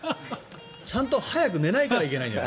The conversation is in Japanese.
ちゃんと早く寝ないからいけないんだよ。